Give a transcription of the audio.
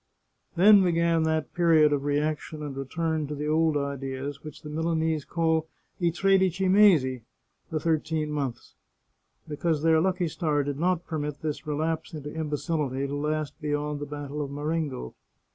Then began that period of reaction and return to the old ideas which the Milanese call " i tredici mesi " (the thir teen months) because their lucky star did not permit this relapse into imbecility to last beyond the battle of Marengo.